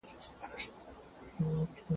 په روغتونونو کي کمپیوټرونه ولي کاریږي؟